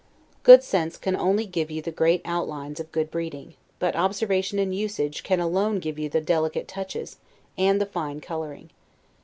Good sense can only give you the great outlines of good breeding; but observation and usage can alone give you the delicate touches, and the fine coloring.